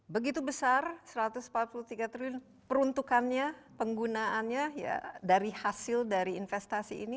begitu besar satu ratus empat puluh tiga triliun peruntukannya penggunaannya dari hasil dari investasi ini